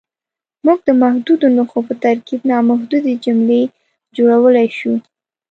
موږ د محدودو نښو په ترکیب نامحدودې جملې جوړولی شو.